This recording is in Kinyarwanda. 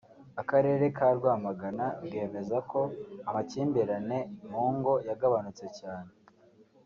Akarere ka Rwamagana bwemeza ko amakimbirane mu ngo yagabanutse cyane